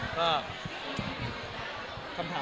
คำถามอะไรนะครับ